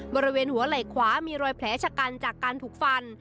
บริเวณหัวไหล่ขวามีรอยแผลชะกันจากการถูกฟัน